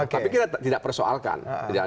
tapi kita tidak persoalkan